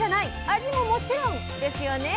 味ももちろんですよね？